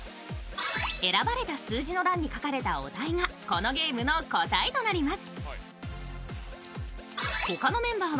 選ばれた数字の欄に書かれたお題がこのゲームの答えとなります。